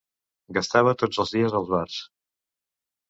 Gastava tots els dies als bars.